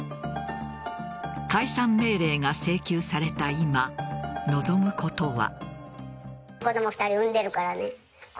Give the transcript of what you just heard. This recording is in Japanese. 解散命令が請求された今望むことは。